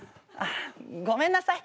ごめんなさい